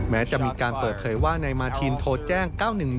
แม้จะมีการเปิดเผยว่านายมาทีนโทรแจ้ง๙๑๑